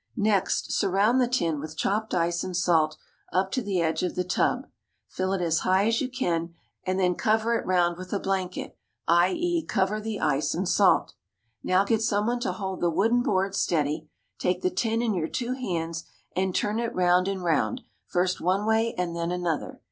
Next surround the tin with chopped ice and salt up to the edge of the tub, fill it as high as you can, and then cover it round with a blanket, i.e., cover the ice and salt. Now get someone to hold the wooden board steady; take the tin in your two hands, and turn it round and round, first one way and then another.